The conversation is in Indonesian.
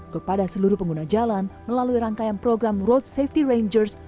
kepada seluruh pengguna jalan melalui rangkaian program road safety rangers